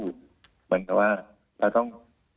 เหมือนกับว่าเราต้อง